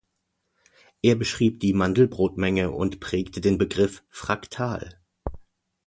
Er beschrieb die Mandelbrot-Menge und prägte den Begriff „fraktal“.